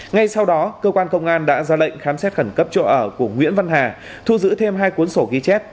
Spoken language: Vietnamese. ngay sau đó cơ quan công an đã ra lệnh khám xét khẩn cấp chỗ ở của nguyễn văn hà thu giữ thêm hai cuốn sổ ghi chép